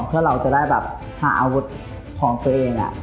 เพื่อเราจะได้หาอาวุธของเคยเอง